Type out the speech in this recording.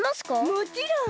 もちろん！